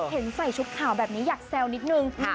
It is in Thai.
ใส่ชุดขาวแบบนี้อยากแซวนิดนึง